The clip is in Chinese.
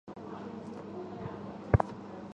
有人称此种用法引喻失义。